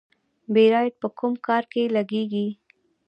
بیرایت په کوم کار کې لګیږي؟